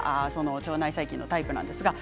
腸内細菌のタイプです。